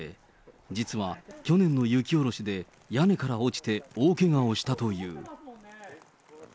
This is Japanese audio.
実は去年の雪下ろしで屋根から落ちて大けがをしたという。